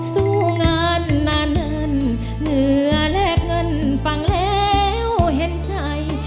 สู้งานนานเงินเหงื่อแลกเงินฟังแล้วเห็นใจ